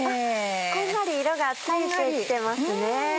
こんがり色がついてきてますね。